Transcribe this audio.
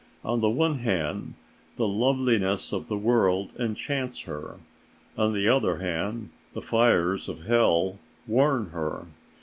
On the one hand the loveliness of the world enchants her; on the other hand the fires of hell warn her.